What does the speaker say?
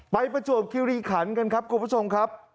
ประจวบคิริขันกันครับคุณผู้ชมครับ